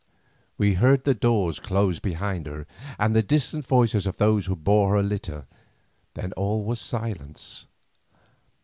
We heard the doors close behind her, and the distant voices of those who bore her litter, then all was silence.